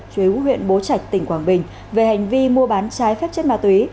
chuối quốc huyện bố trạch tỉnh quảng bình về hành vi mua bán trái phép chất ma túy